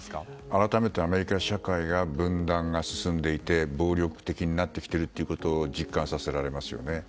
改めてアメリカ社会が分断が進んでいて暴力的になってきていることを実感させられますよね。